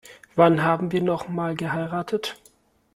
Wann haben wir noch mal geheiratet?